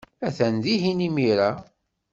Atan dihin imir-a.